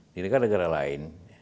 di negara negara lain